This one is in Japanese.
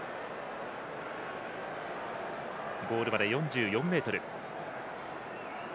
ゴールまで４４ｍ。